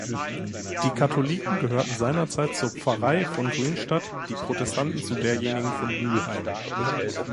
Die Katholiken gehörten seinerzeit zur Pfarrei von Grünstadt, die Protestanten zu derjenigen von Mühlheim.